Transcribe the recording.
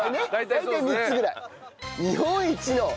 大体３つぐらい。